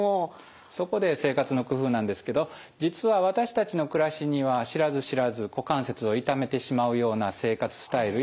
そこで生活の工夫なんですけど実は私たちの暮らしには知らず知らず股関節を痛めてしまうような生活スタイルや動作が潜んでいます。